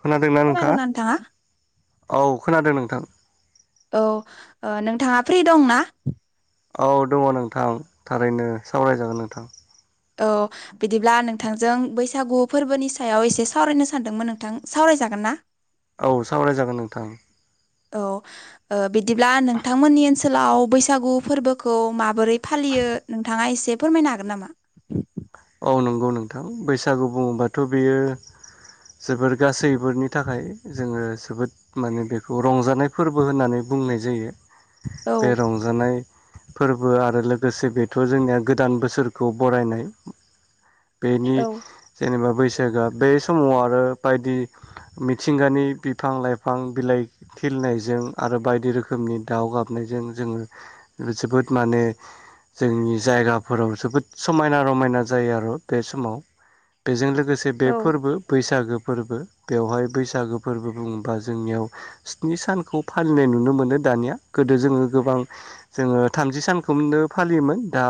खोनादोंना नोंथाङा औ खोनादों नोंथां। औ ओ नोंथाङा फ्रि दं ना? औ दङ नोंथां थारैनो सावरायजागोन नोंथां। औ बिदिब्ला नोंथांजों बैसागु फोरबोनि सायाव एसे सावरायनो सानदोंमोन नोंथां सावरायजा जागोन ना? औ सावराय जागोन नोंथां। औ ओ बिदिब्ला नोंथांमोननि ओनसोलाव बैसागु फोरबोखौ माबोरै फालियो नोंथाङा एसे फोरमायनो हागोन नामा? औ नंगौ नोंथां बैसागु बुङोबाथ' बियो जोबोर गासैबोनि थाखाय जोङो जोबोद माने बेखौ रंजानाय फोरबो होननानै बुंनाय जायो औ बे रंजानाय फोरबो आरो लोगोसे बेथ' जोंनिया गोदान बोसोरखौ बरायनाय बेनि औ जेनेबा बैसागो बे समाव आरो बायदि मिथिंगानि बिफां लाइफां बिलाइ खिलनायजों आरो बायदि रोखोमनि दाउ गाबनायजों जोङो जोबोद माने जोंनि जायगाफोराव जोबोद समायना रमायना जायो आरो बे समाव बेजों लोगोसे बे औ फोरबो बैसागो फोरबो बेवहाय बैसागो फोरबो बुङोबा जोंनियाव स्नि सानखौ फालिनाय नुनो मोनो। दानिया गोदो जोङो गोबां जोङो थामजि सानखौनो फालियोन दा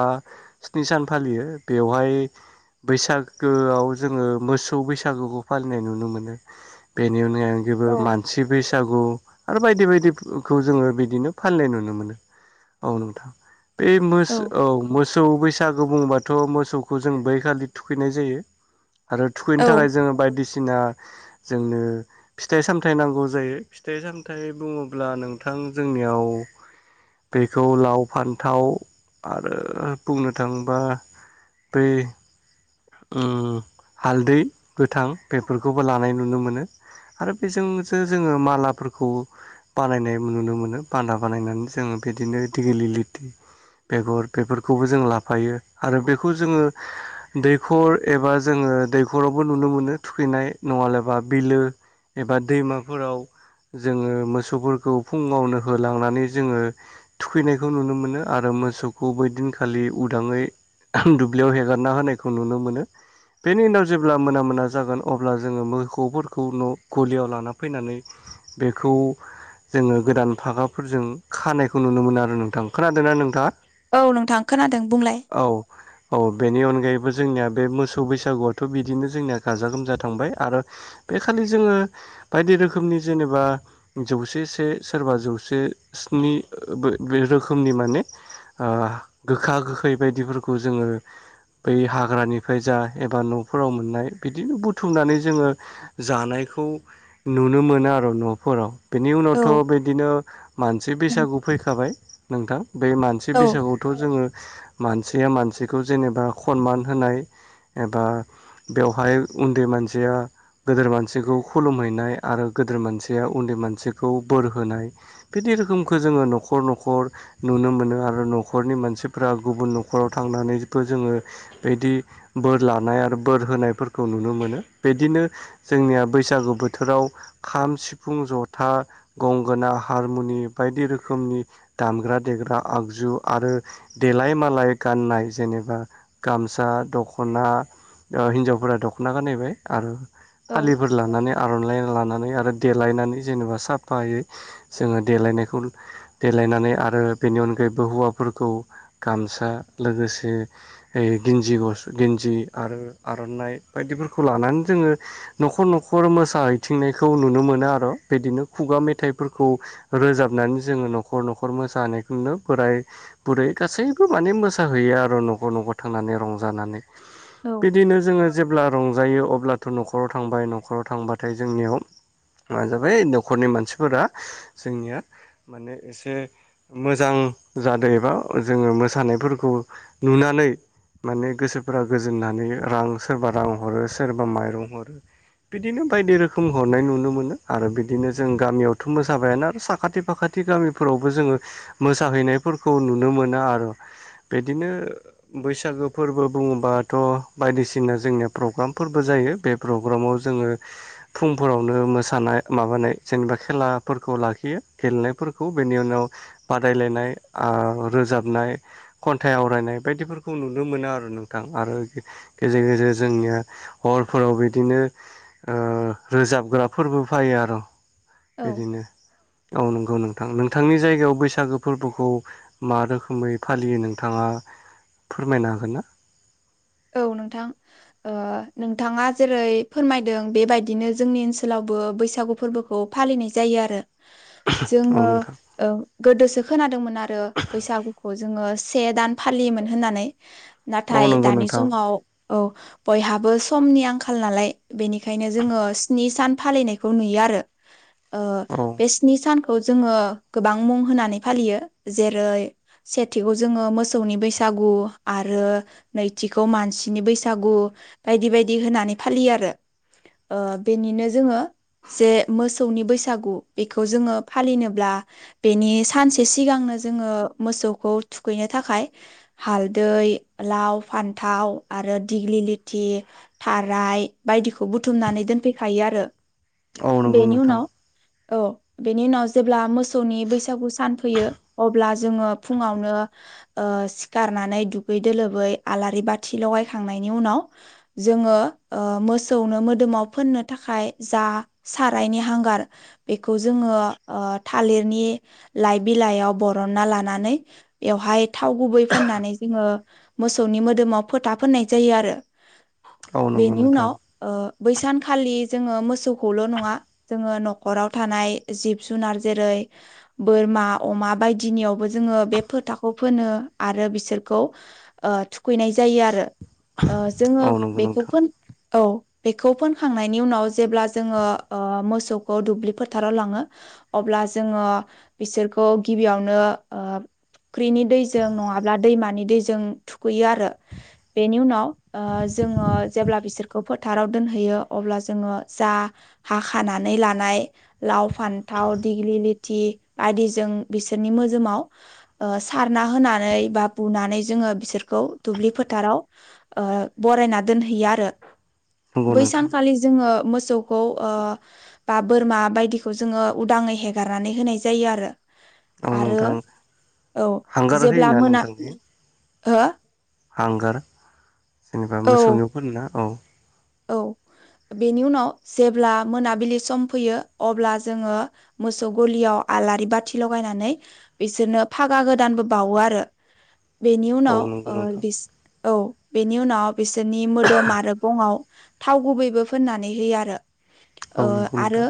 स्नि सान फालियो बेवहाय बैसागोआव जोङो मोसौ बैसागोखौ फालिनाय नुनो मोनो बेनि औ [unintelligible] मानसि बैसागु आरो बायदि बायदिखौ जोङो बिदिनो फालिनाय नुनो मोनो औ नोंथां। [unintelligible] औ मोसौ बैसागु बुबाथ' मोसौ जों बै खालि थुखैनाय जायो आरो थुखैनो औ थाखाय जोङो बायदिसिना सिना जोंनो फिथाइ सामथायाइ नांगौ जायो फिथाइ सामथाइ बुङोब्ला नोंथा [unintelligible] जोंनियाव बेखौ लाव फान्थाव आरो बुंनो थाङोबा बे ओ हालदै गोथां बेफोरखौबो लानाय नुनो मोनो आरो बेजोंसो जोङो मालाफोरखौ खौ बानायनाय नुनो मोनो बान्दा बानायनानै जोङो बिदिनो दिगिलिटि बेगर बेफोरखौबो जों लाफायो आरो बेखौ जोङो दैखर एबा जोङो दैखरावबो नुनो मोनो थुखैनाय नङाब्ला बिलो एबा दैमाफोराव जोङो मोसौफोरखौ फुङावनो होलांनानै जोङो थुखैनायखौ नुनो मोनो आरो मोसौखौ बै दिनखालि उदाङै दुब्लियाव हेगारना होनायखौ नुनो मोनो। बेनि उनाव जेब्ला मोना मोना जागोन अब्ला जोङो मोसौफोरखौ न' गलियाव लाना फैनानै बेखौ जोङो गोदान फागाफोरजों खानायखौ नुनो मोनो आरो नोंथां खोनादोंना नोंथाङा? औ नोंथां खोनादों बुंलाय। औ औ बेनि अनगायैबो जोंनिया बे मोसौ बैसागुआथ' बिदिनो जोंनिया गाजा गोमजा थांबाय आरो बे खालि जोङो बायदि रोखोमनि जेनेबा जौसे से सोरबा जौसे स्निनि बे रोखोमनि माने ओ गोखा गोखै बायदिफोर खौ जोङो बै हाग्रानिफ्राय जा एबा न'फोराव मोननाय बिदिनो बुथुमनानै जोङो जानाय खौ नुनो मोनो आरो न'फोराव बेनि औ उनावथ' बिदिनो मानसि बैसागु फैखाबाय नोंथां बे मानसि औ बैसागुथ' जोङो मानसिया मानसिखौ जेनेबा खनमान होनाय एबा बेवहाय उन्दै मानसिया गोदोर मानसिखौ खुलुमहैनाय आरो गोदोर मानसिया उन्दै मानसिखौ बोर होनाय बि दि रोखोमखो जोङो न'खर न'खर नुनो मोनो आरो न'खरनि मानसिफ्रा गुबुन न' खराव थांनानैबो जोङो बिदि बोर लानाय आरो बोर होनायफोरखौ नुनो मोनो बिदिनो जोंनिया बैसागु बोथोराव खाम सिफुं जथा गंगोना हारमुनि बायदि रोखोमनि दामग्रा देग्रा आगजु आरो देलाय मालाय गाननाय जेनेबा गामसा दख'ना ओ हिनजावफोरा दख'ना गानायनायबाय आरो औ फालिफोर लानानै आर'नाइ लानानै आरो देलायनानै जेनेबा साफायै जोङो देलायनायखौ देलायनानै आरो बेनि अनगायैबो हौवाफोरखौ गामसा लोगोसे गिन्जि गस गन्जि आरो आर'नाइ बायदिफोरखौ लानानै जों जोङो न'खर न'खर मोसाहैथिंनायखौ नुनो मोनो आरो बिदिनो खुगा मेथाइफोरखौ रोजाबनानै जोङो न'खर न'खर मोसानायखौनो बोराय बुरै गासैबो माने मो साहैयो आरो न'खरआव न'खरआव थांनानै रंजानानै औ बिदिनो जोङो जेब्ला रंजायो अब्लाथ' न'खराव थांबाय न'खराव थांबाथाय जोंनियाव मा जाबाय न'खरनि मानसिफोरा जोंनिया माने एसे मोजां जादो एबा जोङो मोसानायफोरखौ नुनानै माने गोसोफोरा गोजोननानै रां सोरबा रां हरो सोरबा माइरं हरो बिदिनो बायदि रोखोम हरनाय नुनो मोनो आरो बिदिनो जों गामियावथ' मोसाबायानो आरो साखाथि फाखा थि गामिफोरावबो जोङो मोसाहैनायफोरखौ नुनो मोनो आरो बिदिनो बैसागो फोरबो बुङोबाथ' बायदिसिना जोंनिया प्रग्रामफोरबो जायो बे प्रग्रामाव जोङो फुंफोरावनो मोसानाय माबानाय जेनेबा खेलाफोरखौ ला लाखियो गेलेनायफोरखौ बेनि उनाव बादायलायनाय ओ रोजाबनाय खन्थाइ आवरायनाय बायदिफोरखौ नुनो मोनो आरो नोंथां आरो गेजेर गेजेर जोंनिया हर खरफोराव बिदिनो ओ रोजाबग्रा फोरबो फायो आरो' औ बिदिनो औ नंगौ नोंथां नोंथांनि जायगायाव बैसागो फोरबोखौ मा रोखोमै फालियो नों नोंथाङा फोरमायनो हागोन ना औ नोंथां ओ नोंथाङा जेरै फोरमायदों बेबायदिनो जोंनि ओनसोलाव बो बैसागु फोरबोखौ फालिनाय जायो आरो औ जोङो नोंथां ओ गोदोसो खोनादोंमोन आरो बैसागुखौ जोङो से दान फालियोमोन होननानै औ नाथाय नंगौ दानि नोंथां समाव औ बयहाबो समनि आंखाल नालाय बेनिखायनो जोङो स्नि सान फालिनायखौ नुयो आरो [inaudible] [unintelligible] ओ औ बे स्नि सान खौ जोङो गोबां मुं होनानै फालियो जेरै सेथिखौ जोङो मोसौनि बैसा गु आरो नैथिखौ मानसिनि बैसागु बायदि बायदि होनानै फालियो आरो ओ बेनिनो जोङो जे मोसौनि बैसागु बेखौ जोङो फालिनोब्ला बेनि सानसे सिगांनो जोङो मोसौखौ थुखैनो थाखाय हाल दै आउ फान्थाव आरो दिग्लि लिथि थाराय बायदिखौ बुथुमनानै दोनफैखायो आरो औ नंगौ बेनि नोंथां उनाव औ बेनि उनाव जेब्ला मोसौनि बैसागु सान फैयो अब्ला जोङो फुङावनो ओ सिखारनानै दुगै दुलोबै आलारि बाथि लगायखांनायनि उनाव जोङो ओ मोसौनो मोदोमाव फोननो था खाय जा साराइनि हांगार बेखौ जोङो ओ थालिरनि लाइ बिलाइयाव बरनना लानानै बेवहाय थाव गुबै फोननानै जोङो मोसौनि मोदोमाव फोथा फोननाय जायो आरो औ नंगौ बेनि नोंथां उनाव ओ बैसानखालि जोंङो मोसौखौल' नंङा जोंङो न नखराव थानाय जिब जुनार जेरै बोरमा अमा बायदिनियावबो जोंङो बे फोथाखौ फोननो आरो बिसोरखौ ओ थुखैनाय जायो ओ आरो जोंङो औ नंगौ बेखौ नोंथां फोन औ बेखौ फोनखांनायनि उनाव जेब्ला जोंङो मोसौ मोसौखौ दुब्लि फोथाराव लांङो अब्ला जोंङो बिसोरखौ गिबियावनो फुख्रिनि दैजों नझङाब्ला दैमानि दैजों थुखैयो आरो बेनि उनाव ओ जोंङो जेब्ला बिसोरखौ फोनो फोथाराव दोनहैयो अब्ला जोंङो जा हाखानानै लानाय लाव फान्थाव दिगलि लिट थि बायदिजों बिसोरनि मोजोमाव सारना होनानै बा बुनानै जोंङो बिसोर दुब्लि फोथाराव बरायना दोनहैयो आरो नंगौ नोंथां बैसानखालि जोंङो मोसौखौ ओ बा बोरमा बायदिखौ जोंङो उदाङै हेगारनानै होनाय जायो आरो औ आरो नोंथां औ हांगार जेब्ला होयोना मोना नोंथांनि हो हांगार जेनेबा औ मोसौनिफोर ना औ औ बेनि उनाव जेब्ला मोनाबिलि सम फैयो अब्ला जोंङो मोसौ गलियाव आलारि बाथि लगायनानै बिसोरनो फागा गोदानबो बावो आरो [inaudible] बेनि औ उनाव नंगौ नोंथां औ बेनि उनाव बिसोरनि मोदोम आरो गंङाव थाव गुबैबो फोननानै होयो आरो औ नंगौ आरो नोंथां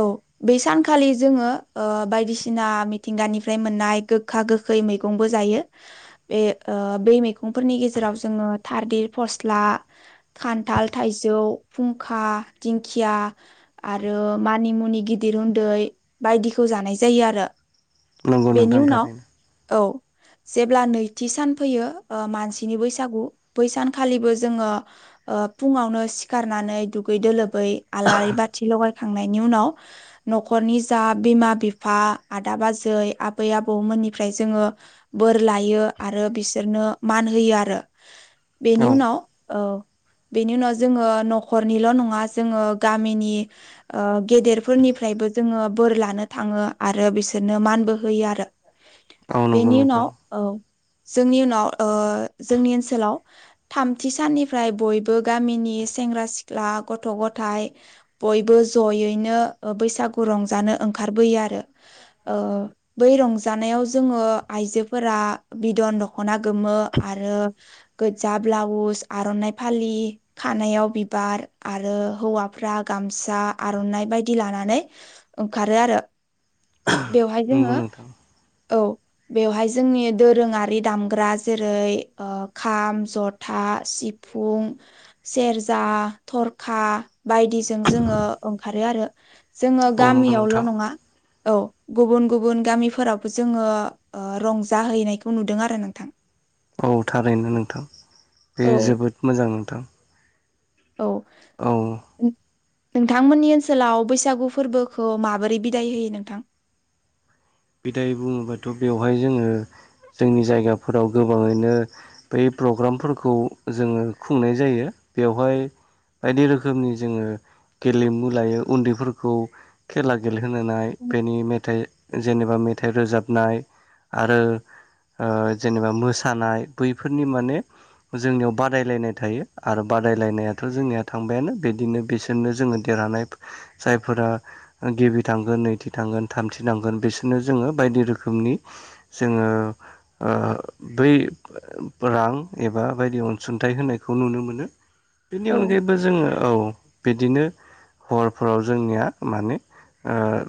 औ बे सानखालि जोंङो बायदिसिना मिथिंगानिफ्राय मोननाय गोखा गोखै मैंबो जायो बे बै मैगंफोरनि गेजेराव जोंङो थालिर फस्ला खान [unintelligible] खान्थाल थाइजौ फुंखा दिंखिया आरो मानि मुनि गिदिर उन्दै होनदों बायदिखौ जानाय जायो आरो नंगौ बेनि नोंथां उनाव थारैनो औ जेब्ला नैथि सान फैयो मानसिनि बैसागु बै सानखालिबो जोंङो फुंङावनो सिखारनानै दुगै दोलोबै आलारि बाथि लगाय थांनायनि उनाव न'खरनि जा बिमा बिफा आदा आजै आबै आबौ मोन निफ्राय जोंङो बोर लायो आरो बिसोरनो मान होयो आरो बेनि औ उनाव औ बेनि उनाव जोंङो न'खरनिल' नंङा जोंङो गामिनि गेदेरफोरनिफ्राय बयबो जोंङो बोर लानो थांङो आरो बिसोरनो मानबो होयो आरो औ नंगौ बेनि नोंथां उनाव औ जोंनि उनाव ओ जोंनि ओनसोलाव थामथि साननिफ्राय बयबो गामिनि सेंग्रा सिख्ला गथ' गथाइ बयबो जयैनो बैसागु रंजानो ओंखारबोयो आरो बै रंजानायाव जोंङो आइजो बिदन दखना गोमो आरो गोजा ब्लाउस आर'नाय फालि खानायाव बिबार आरो हौवाफ्रा गामसा आर'नाइ बायदि लानानै ओंखारो आरो बेवहाय नंगौ जोंङो नोंथां [inaudible] बेवहाय जोंनि दोरोंङारि दामग्रा जेरै खाम जथा सिफुं सिफुं सेरजा थरखा बायदिजों जोंङो ओंखारो आरो जोंङो औ नंगौ गामियावल' नोंथां नंङा औ गुबुन गुबुन गामिफोरावबो जोंङो रंजाहैनायखौ नुदों आरो नोंथां औ थारैनो नोंथां बे औ जोबोद मोजां नोंथां औ औ नोंथांमोननि ओनसोलाव बैसागु फोरबोखौ माबोरै बिदाय होयो नोंथां बिदाय बुंङोबाथ' बेवहाय जोंङो जोंनि जायगाफोराव गोबाङैनो बै प्रग्रामफोरखौ जोङो खुंनाय जायो बेवहाय बायदि रोखोमनि जोङो गेलेमु लायो उन्दैफोरखौ खेला गेले होनाय बेनि मेथाइ जेनेबा मेथाइ रोजाबनाय आरो ओ जेनेबा मोसानाय बैफोरनि माने जोंनियाव बादायलायनाय थायो आरो बा बादायलायनायाथ' जोंनिया थांबायानो बिदिनो बिसोरनो जोङो देरहानाय जायफोरा गिबि थांगोन नैथि थांगोन थामथि थांगोन बिसोरनो जोङो बायदि रोखोमनि जोङो ओ बै रां एबा बायदि अनसुंथाइ होनायखौ नुनो मोनो। बेनि औ अनगायैबो जोङो औ बिदिनो हरफोराव जोंनिया माने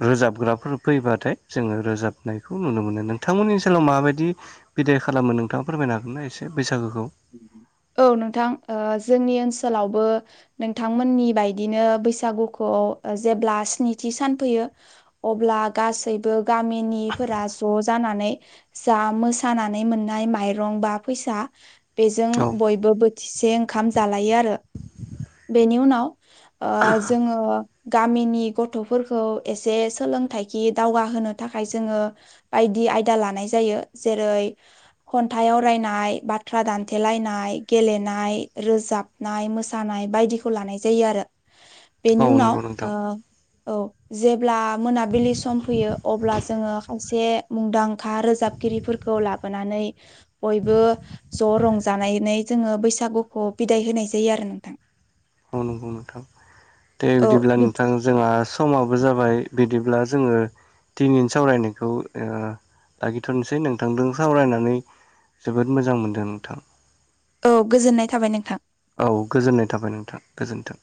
रोजाबग्राफोर फैबाथाय जोङो रोजाबनायखौ नुनो मोनो नोंथांमोननि ओसोलाव माबायदि बिदाय खालामो नोंथाङा फोरमायनो हागोन ना एसे बैसागुखौ औ नोंथां जोंनि ओनसोल ओनसोलावबो नोंथांमोननि बायदिनो बैसागुखौ जेब्ला स्निथि सान फैयो अब्ला गासैबो गामिनिफोरा ज' जानानै जा मोसाना नै मोननाय माइं बा फैसा बेजों औ बयबो बोथिसे ओंखाम जालायो आरो बेनि उनाव ओ जोङो गामिनि गथ'फोरखौ एसे सोलोंथाइखि दावगा होनो थाखाय जोङो बायदि आयदा लानाय जायो जेरै खन्थाइ आवरायनाय बाथ्रा दान न्थेलायनाय गेलेनाय रोजाबनाय मोसानाय बायदिखौ लानाय जायो आरो औ बेनि उनाव नंगौ नोंथां ओ औ जेब्ला मोनाबिलि सम फैयो अब्ला जोङो खायसे मुंदांखा रोजाब गिरिफोरखौ लाबोनानै बयबो ज'रं जानायनै जोङो बैसागुखौ बिदाय होनाय जायो आरो नोंथां। औ नंगौ नोंथां दे औ बिदिब्ला बिद नोंथां जोंहा समाबो जाबाय बिदिब्ला जोङो दिनैनि सावरायनायखौ ओ लाागिथ'नोसै नोंथांदों सावरायनानै जोबोद मोजां मोनदों नोंथां ‌। औ गोजोननाय थाबाय नोंथां। औ गोजोननाय थाबाय नोंथां गोजोन्थों।